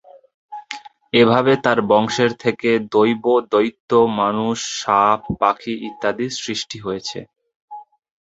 এভাবে তার বংশের থেকে দৈব, দৈত্য, মানুষ, সাপ, পাখি ইত্যাদির সৃষ্টি হয়েছে।